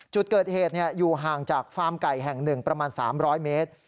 จุดเกิดเหตุอยู่ห่างจากฟาร์มไก่แห่ง๑ประมาณ๓๐๐เมตร